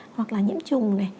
hoặc là nhiễm trùng này